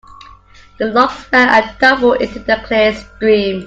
The logs fell and tumbled into the clear stream.